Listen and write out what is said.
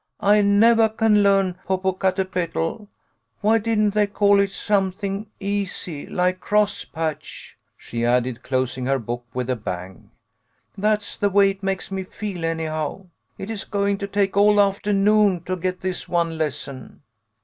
I nevah can learn Popocatepetl. Why didn't they call it some thing easy, like like Crosspatch !" she added, clos ing her book with a bang. " That's the way it makes me feel, anyhow. It is going to take all afternoon to get this one lesson."